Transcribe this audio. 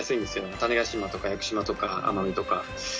種子島とか屋久島とか奄美とか。